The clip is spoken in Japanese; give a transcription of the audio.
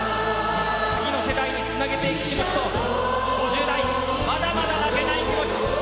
次の世代につなげていく気持ちと、５０代、まだまだ負けない気持ち。